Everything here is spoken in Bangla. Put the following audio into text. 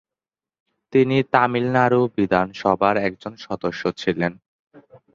তিনি তামিলনাড়ু বিধানসভার একজন সদস্য ছিলেন।